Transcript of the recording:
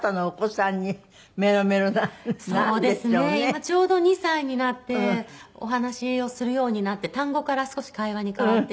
今ちょうど２歳になってお話しをするようになって単語から少し会話に変わってきてはい。